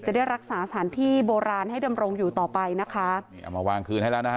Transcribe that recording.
จะได้รักษาสถานที่โบราณให้ดำรงอยู่ต่อไปนะคะนี่เอามาวางคืนให้แล้วนะฮะ